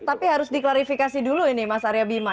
tapi harus diklarifikasi dulu ini mas arya bima